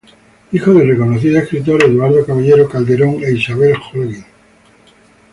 Hijo del reconocido escritor Eduardo Caballero Calderón e Isabel Holguín.